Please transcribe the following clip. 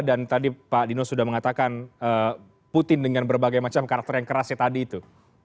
dan tadi pak dino sudah mengatakan putin dengan berbagai macam karakter yang kerasnya tadi itu